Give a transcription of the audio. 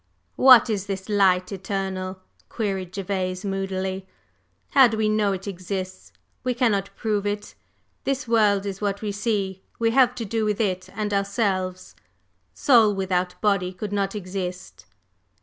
"What is the Light Eternal?" queried Gervase, moodily. "How do we know it exists? We cannot prove it. This world is what we see; we have to do with it and ourselves. Soul without body could not exist.